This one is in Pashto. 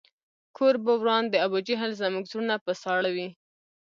کور به وران د ابوجهل زموږ زړونه په ساړه وي